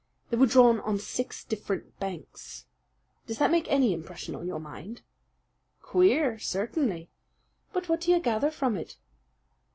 They were drawn on six different banks. Does that make any impression on your mind?" "Queer, certainly! But what do you gather from it?"